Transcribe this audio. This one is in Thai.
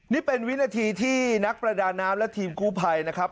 นี่เป็นวินาทีที่นักประดาน้ำและทีมกู้ภัยนะครับ